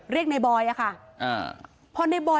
เสียชีวิตใบบอย